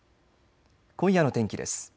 今夜の天気です。